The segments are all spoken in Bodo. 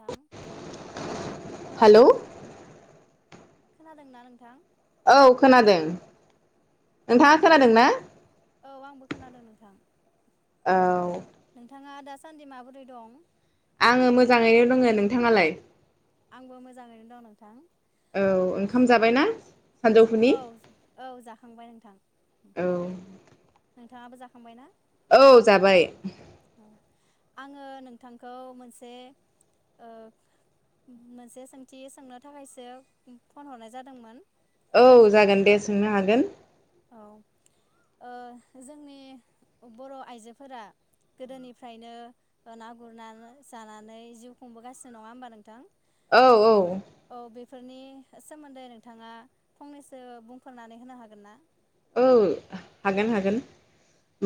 नोंथां हेलौ खोनादोंना नोंथां औ खोनादों। नोंथाङा औ खोनादों ना नों औ आंबो खोनादों नोंथां औ नोंथाङा दा सा। सान्दि माबोरै दं। आङो मोजाङैनो दङो नोंथाङालाय? आंबो मोजाङैनो दं नोंथां। औ ओंखाम जाबायना। सानजौफुनि औ औ जाखांबाय नोंथां। औ नोंथाङाबो जाखांबाय ना। औ जाबाय। औ आङो नोंथांखौ मोनसे ओ मोनसे सोंथि सोंनो थाखायसो फन हरनाय जादोंमोन। औ जागोन दे सोंनो हागोन? औ जोंनि बर आइजोफोरा गोदोनिफ्रायनो ना गुरना जानानै जिउ खुंबोगासिनो नङा होमबा नोंथां। औ औ औ बेफोरनि सोमोन्दै नोंथाङा फंनैसो बुंफोरनानै होनो हागोन ना? औ हागो- हागोन।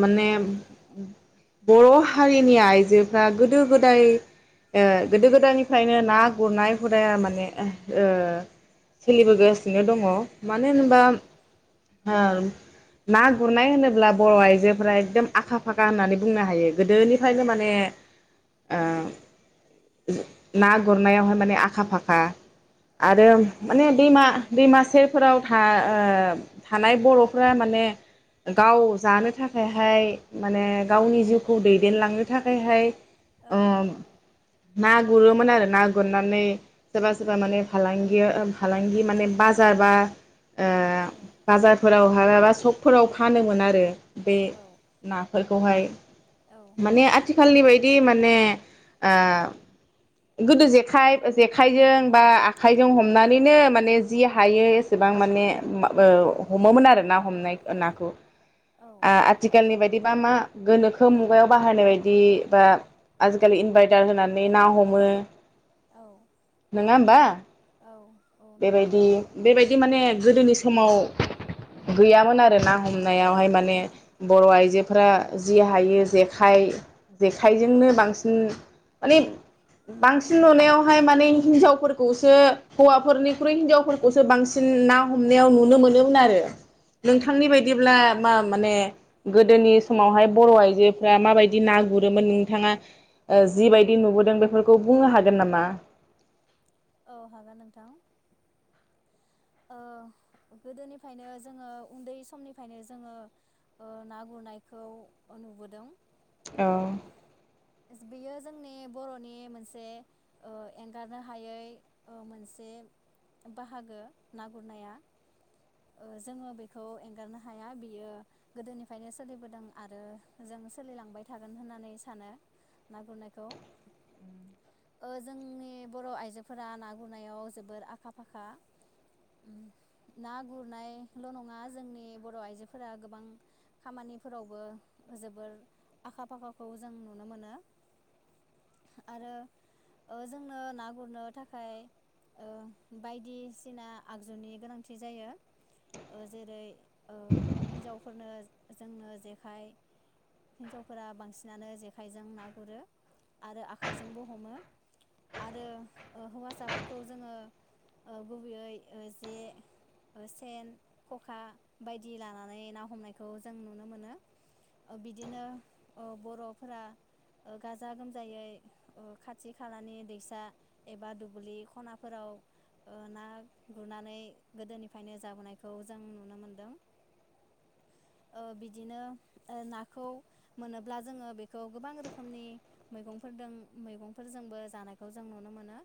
दे माने। बुंलाय बर' हारिनि आइजोफ्रा गोदो गोदाय गोदो गोदायनिफ्रायनो ना गुरनाय हुदाया माने ओ सोलिबोगासिनो दङ। मानो औ होनबा ओम ना गुरनाय होनोब्ला बर' आइजोफोरा एकदम आखा फाखा होननानै बुंनो हायो। औ गोदोनिफायनो माने ओ ना गुरनायावहाय माने आखा फाखा। औ आरो माने दैमा दैमासेफोराव था थानाय बर'फ्रा माने गाव जानो थाखायहाय माने गावनि औ जिउखौ दैदेनलाङो। थाखायहाय। [inaudible] औ ना गुरोमोन आरो ना गुरनानै सोरबा सोरबा माने फालांगि फालांगि माने बाजार बा औ ओ। फोराव हायाबा सबफोराव फानोमोन आरो। बे औ ना फोरखौहाय। औ माने आथिखालनि बाय बिदि माने ओ गोदो जेखाय जेखाइजों बा आखाइजों हमनानैनो माने जि हायो एसेबां माने हमोमोन आरो ना हमनाय नाखौ। आ आथिखालनि बायदि बिदिबा मा गोनोखो मुगायाव बाहायनाय बायदि बा आजिखालि इनभारटार होनानै ना हमो। औ नङा होमबा औ औ नंगौ बेबायदि-बेबायदि माने गोदोनि समाव। गैयामोन आरो ना हमनायावहाय माने बर' आइजोफोरा जि हायो जेखाइ औ जेखायजोंनो बांस [unintelligible] माने बांसिन नुनायावहाय माने हिनजावफोरखौसो हौवाफोरनिख्रुइ हिनजावफोरखौसो बांसिन ना हमनायाव नुनो मोनो। उमनारो। औ नोंथांनि औ बायदिब्ला मा माने? गोदोनि समावहाय बर' आइजोफ्रा माबायदि ना गुरोमोन नोंथाङा? औ जिबायायदि नुबोदों बेफोर खौ बुंनो हागोन नामा औ हागोन नोंथां ओ गोदोनिफ्रायनो जोङो उन्दै समनिफ्रायनो जोङो ओ ना गुरनायखौ नुबोदों ओ औ बेयो जोंनि बर'नि मोनसे ओ एंगारनो हायै ओ मोनसे बाहागो ना गुरनाया जोङो बेखौ एंगारनो हाया बियो गोदोनिफ्रायनो सोलिबोदों आरो जों सोलिलांबाय थागोन होननानै सानो ना गुरनायखौ ओ जोंनि बर' आइजो फ फोरा ना गुरनायाव जोबोर आखा फाखा ना गुरनायल नङा जोंनि बर' आइजोफोरा गोबां खामानिफोरावबो जोबोर आखा फाखाखौ जों नुनो मोनो आरो ओ जोंनो ना गुरनो थाखाय ओ बायदिसिना आगजुनि गोनांथि जायो ओ जेरै ओ हिन्जावफोरनो जोंनो जेखाइ हिनजावफोरा बांसिनानो जेखाइजों ना गुरो आरो आखाइजोंबो हमो आरो ओ हौवासाफोरखौ जोङो ओ गुबैयै जे सेन खखा बायदि लानानै ना हमनायखौ जों नुनो मोनो ओ बिदिनो बरफोरा ओ गाजा गोमजायै ओखाथि खालानि दैसा एबा दुब्लि खनाफोराव ओ ना गुरनानै गोदोनिफ्रायनो जाबोनायखौ जों नुनो मोनदों ओ बिदिनो ओ नाखौ मोनोब्ला जोङो बेखौ गोबां रोखोमनि मैगंफोरदों मैगंफोरजोंबो जानायखौ जों नुनो मोन ना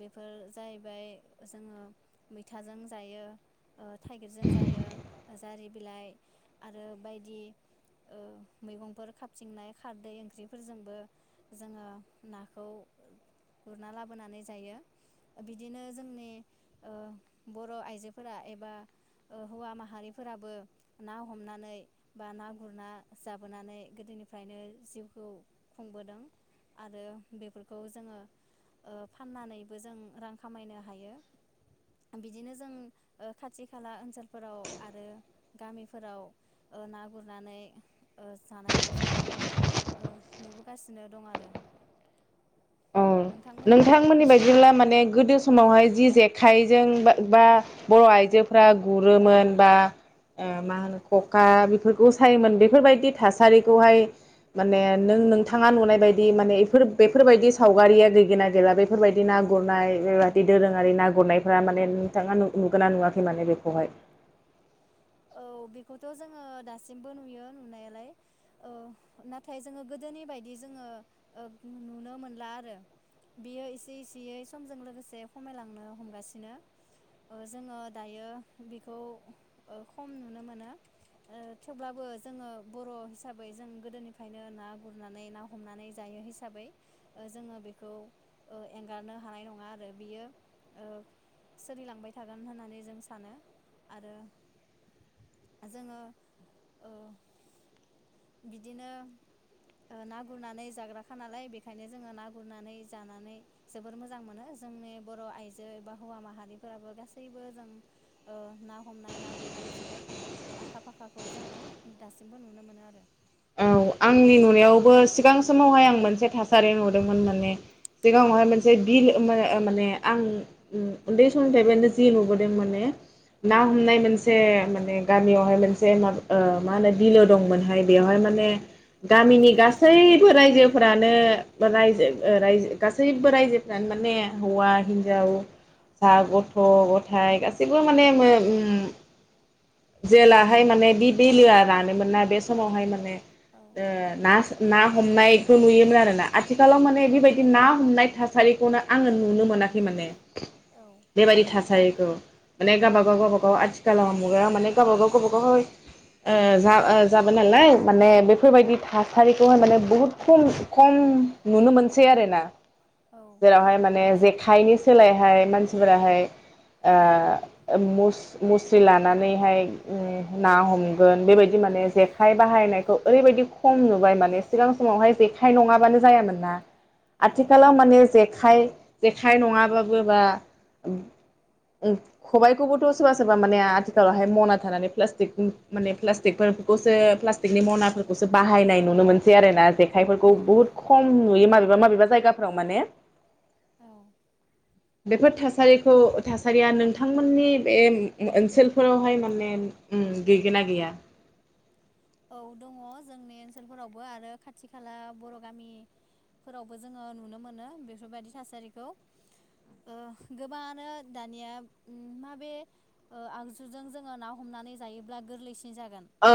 बेफोर जाहैबाय जोङो मैथाजों जायो ओ थाइगिरजों जायो जारि बिलाइ आरो बायदि ओ मैगंफोर खाबथिंनाय खारदै ओंख्रिफोरजोंबो जोङो नाखौ गुरना लाबोनानै जायो बिदिनो जोंनि ओ बर आइजोफोरा एबा ओ हौवा माहारिफोराबो ना हमनानै बा ना गुरना जाबोनानै गोदोनिफ्रायनो जिउखौ खुंबोदों आरो बेफोरखौ जोङो ओ फाननानैबो जों रां खामायनो हायो बिदिनो जों ओ खाथि खाला ओनसोलफोराव आरो ओ गामिफोराव ओ ना गुरनानै ओ जानायखौ जोङो ओ नुबोगासिनो दं आरो औ नोंथांमोननि बायदिब्ला माने गोदो समावहाय जि जेक आखाइजों बा बर आइजो फ्रा औ गुरोमोन बा औ मा होनो खखा बेफोरखौ सायोमोन बेफोरबायदि थासारिखौहाय माने औ नों नोंथाङा नुनाय बायद माने बेफोर बेफोरबायदि सावगारिया गैगोन ना गैला बेफोरबायदि ना गुरनाय बेबायदि दोरोङारि ना गुरनायफ माने नोंथाङा नुगोना नुवाखै माने बेखौहाय औ बेखौथ जोङो दासिमबो नुयो नुनायालाय ओ नाथाय जोङो गोदोनि बायदि ओ जोङो ओ नुनो मोनला आरो बियो एसे इसेयै समजों लोगोसे खमायलांनो हमगासिनो ओ जोङो दायो बेखौ ओ खम नुनो मोनो ओ थेवब्लाबो जोङो बर' हिसाबै जों गोदोनिफ्रायनो ना गुरनानै ना हमनानै जायो हिसाबै ओ जोङो बेखौ ओ एंगारनो हानाय नङा आरो बियो सोलिलांबाय थागोन होननानै जों सानो आरो जोङो ओ बिदिनो ना ओ गुरनानै जाग्राखा नालाय बेखायनो जोङो ना गुरनानै जानानै जोबोर मोजां मोनो जोंनि बर आइजो एबा हौवा माहारिफोराबो गासैबो जों ओ ना हमनाय ना गुरनायाव जोबोद आखा फाखाखौ जोङो दासिमबो नुनो मोनो आरो औ आंनि नुनायावबो सिगां स समावहाय आं मोनसे थासारि नुदोंमोन माने औ सिगांआवहाय मोनसे बिल माने माने आं उन्दै समोलोंथाइ बेनो जि नुबोदों माने ना औ हमनाय मोनसे माने गामियावहाय मोनसे माबा मा होनो बिलो दंमोनहाय। बेहाय औ माने गामिनि गासैबो रायजोफ्रानो बा रायजो रायजो गासैबो रायजोफ्रानो माने हौवा हिनजावसा गथ गथाय गास गासैबो औ माने मो उम जेलाहाय माने बे बिलोआ रानोमोनना बेस समावहाय माने औ ओ ना ना हमनायखौ नुयोमोन आरो ना आथिखालाव माने बेबायदि ना हमनाय थासारिखौनो आङो नुनो मोनाखै माने औ बे बायदि थासारि औ माने गावबा गाव गावबागाव आथिखालाव मुगायाव माने गावबा गाव गावबागावहाय ओ जा ओ जाबाय नालाय माने औ बेफोरबायदि थासारि। खौहाय माने बहुत खम खम नुनो मोनसै आरोना औ खम जेरावहाय नुनो माने मोनसै जेखायनि सोलायहाय मानसि मानसिफोराहाय ओ मुस मुस्रि लानानैहाय ना हमगोन। बेबायदि औ माने। बाहायनायखौ ओरैबायदि खम नुबाय माने सिगां समावहाय जेखाय नङाबानो जायामोन ना। औ आथिखालाव माने जे खाय जेखाइ नङाबाबो बा ओ खबाइखौबोथ' सोरबा सोरबा माने आथिखालावहाय मना थानानै प्लास्टिक माने प्लास्टिकफोर खौसो प्लाषथि। बेनि मनाफोरखौसो बाहायनाय नुनो मोन सै आरोना जे खाय औ फोरखौ औ बुहुद खम नुयोमोन। माबेबा माबेबा जायगाफोराव माने औ बेफोर थासारिखौ थासारिया नोंथांमोननि बे ओनसोलफोरावहाय माने गैगोना गैया? औ दङ जोंनि ओनसोलफोरावबो आरो खाथि खाला बर' गामिफोरावबो जोङो नुनो मोनो बेफोरबायदि थासारिखौ ओ गोबाङानो दानिया माबे आगजुजों जोङो ना हमनानै जायोब्ला गोरलैसिन जागोन औ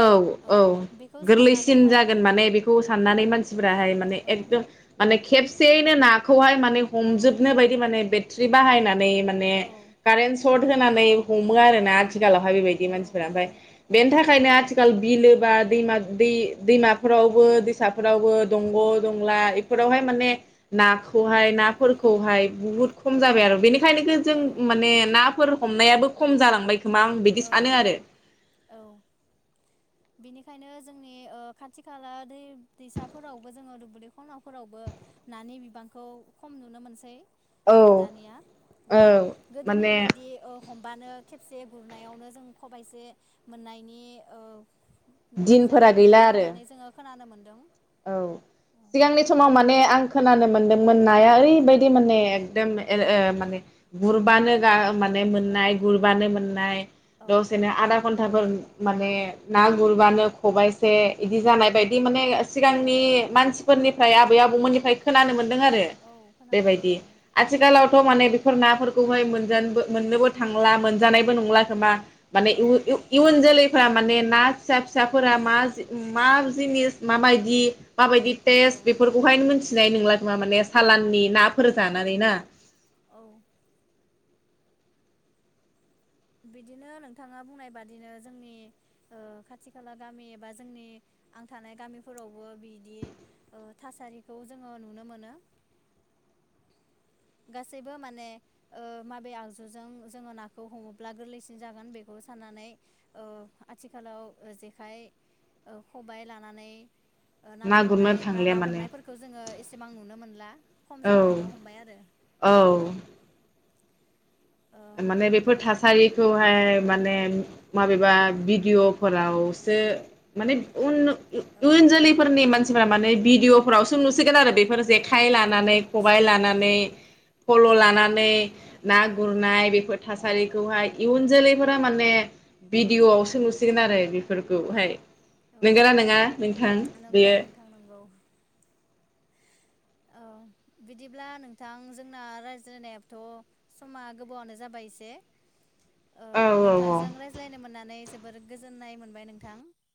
औ बेखौ गोरलैसिन साननानैहाय जागोन माने बेखौ औ साननानै मानसिफोराहाय मानेम औ एकदम मा ने खेबसेयैनो नाखौहाय माने औ हमजोबनो बायदि माने बे थ्रि बाहायनानै माने औ कारेन्ट सर्ट होनानै हमो आरोना औ आथिखालावहाय बेबायदि औ मानसिफोरा औ ओमफाय बेनि था औ थाखायनो आथिखाल बिलो बा। आ दैमा दै-दैमाफोरावबो दैसाफोरावबो दंग दंला औ इफोरावहाय माने। नाखौहाय नाफोरखौहाय बुहुत खम जाबाय आरो बेनि [unintelligible] खौ जों औ माने नाब फोर हमनायाबो खम जालांबाय खोमा आं बिदि सानो औ आरो बेनिखायनो जोंनि ओ खाथि खाला दै-दैसाफोरावबो जोङो दुब्लि खनाफोरावबो नानि बिबांखौ खम नुनो मोनसै। ओ औ दानिया औ गोदोनि माने बायदि अ हमबानो खेबसे गुरनायावनो जों खबाइसे मोननायनि ओ दिनफोरा जारिमिन गैला दं आरो होननानै जोङो खोनानो मोन दों। औ सिगांनि समाव माने आं खो नानो मोनदोंमोन नाया ओरैबायदि माने एकदम एर एर माने गुरबानो गा माने मोननाय औ गुरबानो मोननाय औ दसेनो आदा घन थाफोर माने ना गुरबानो खबाइसे इदि जानाय बायदि माने औ सिगांनि मानसिफोरनि फ्राय आबै आबौमोननिफ्राय खोनानो मोन दों आरो औ खोनानो मोनदों बेबायदि औ आथिखालाव थ माने बेफोर नाफोरखौहाय मोनजानोबो मोननोबो थांला मोनजानायबो नंला खोमा माने उ इय-इयुन जोलै फोरा माने ना फिसा फिसाफोरा मा जि मा जिनिस माबायदि माबायदि औ टेस्ट बेफोरखौहाय मोनथि थिनाय नोंला खोमा माने सालाननि ना फोर जानानै औ ना औ बिदिनो नोंथाङा बुंनाय बादिनो जोंनि ओ खाथि खाला गामि एबा जोंनि आं थानाय गामिफोरावबो बिदि ओ थासारिखौ जोङो नुनो मोनो। गासैबो माने ओ माबे आगजुजों जोंङो नाखौ हमोब्ला गोरलैसिन जागोन बेखौ साननानै ओ आथिखालाव ओ जेखाइ ओ खबाय लानानै ओ ना गुरनो गुरनाय बा थांलिया ना माने हमनायफोरखो जोङो एसेबां नुनो मोन ला। खम औ जालांनो हमबाय आरो। औ औ माने बेफोर थासारि खौहाय औ माने माबेबा भिडिअ' फोरावसो माने उन इय-इयुन औ जोलैफोरनि मानसिफ्रा माने भिडिअफ्रावसो नुसिगोन आरो बे फोर औ जेखाय लानानै भिडिअफोरखौ खबाय नुसिगोन औ लानानै फल' लाना [unintelligible] औ नागुर नाय बेफोर औ थासारिखौहाय इयुन जोलै फोरा माने भिडिअ आवसो नुसिगोन आरो बि औ फोरखौहाय औ नोंगोना नोङा नोंथां नंगौ बेयो नोंथां नंगौ औ बिदिब्ला नोंथां जोंना रायज्लायनायाबोथ समा गोबावानो जाबाय एसे ओ औ औ औ नोंथांजों रायज्लायनो मोननानै जोबोर गोजोननाय मोनबाय नोंथां।